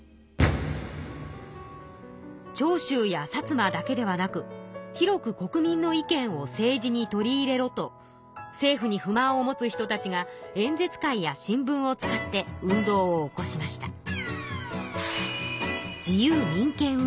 「長州や薩摩だけではなく広く国民の意見を政治に取り入れろ」と政府に不満を持つ人たちが演説会や新聞を使って運動を起こしました。